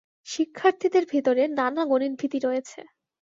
শিক্ষার্থীদের ভেতরে নানা গণিতভীতি রয়েছে।